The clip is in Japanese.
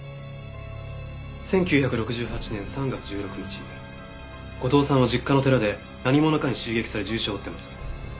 １９６８年３月１６日後藤さんは実家の寺で何者かに襲撃され重傷を負っています。